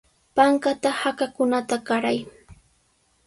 Panqata hakakunata qaray.